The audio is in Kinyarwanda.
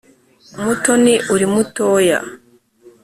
umutoni uri mutoya